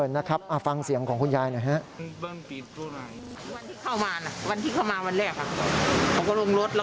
นะครับฟังเสียงของคุณยายหน่อยฮะ